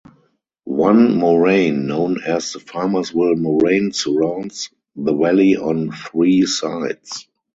One moraine known as the Farmersville moraine surrounds the valley on three sides.